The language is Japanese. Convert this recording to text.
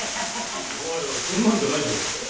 そんなんじゃないぞ。